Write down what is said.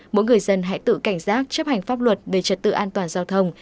mỗi người dân hãy tự cảnh giác chấp hành pháp luật về trật tự an toàn giao thông